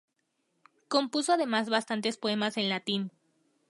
Compuso además bastantes poemas en latín.